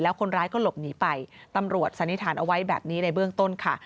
คนร้ายก็หลบหนีไปตำรวจสันนิษฐานเอาไว้แบบนี้ในเบื้องต้นค่ะ